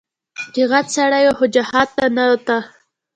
چې غټ سړى و خو جهاد ته نه ته.